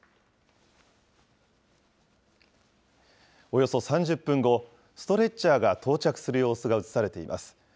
およそ３０分後、ストレッチャーが到着する様子が写されています。